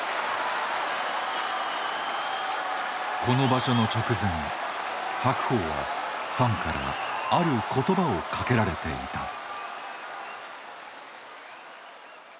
この場所の直前白鵬はファンからある言葉をかけられていた。